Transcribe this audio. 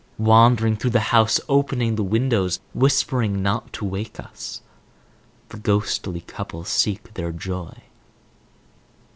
Wandering through the house, opening the windows, whispering not to wake us, the ghostly couple seek their joy.